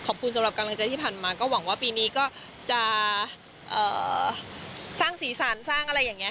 สำหรับกำลังใจที่ผ่านมาก็หวังว่าปีนี้ก็จะสร้างสีสันสร้างอะไรอย่างนี้